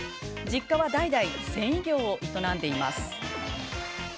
実家は代々、繊維業を営んでいます。